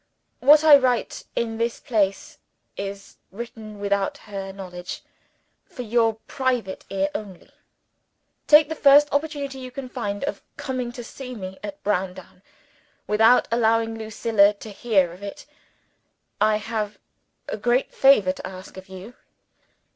What I write in this place is written without her knowledge for your private ear only. Take the first opportunity you can find of coming to see me at Browndown, without allowing Lucilla to hear of it. I have a great favor to ask of you.